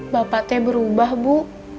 bapak teh berubah bu